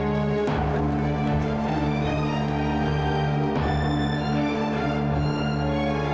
kok seperti suara amir